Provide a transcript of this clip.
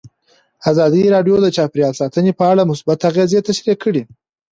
ازادي راډیو د چاپیریال ساتنه په اړه مثبت اغېزې تشریح کړي.